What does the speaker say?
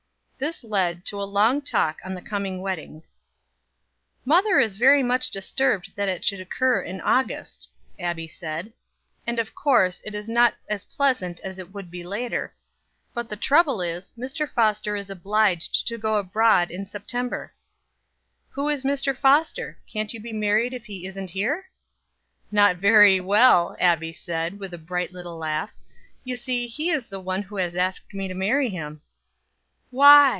This led to a long talk on the coming wedding. "Mother is very much disturbed that it should occur in August," Abbie said; "and of course it is not pleasant as it would be later; but the trouble is, Mr. Foster is obliged to go abroad in September." "Who is Mr. Foster? Can't you be married if he isn't here?" "Not very well," Abbie said, with a bright little laugh. "You see he is the one who has asked me to marry him." "Why!